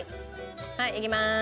はいいきます。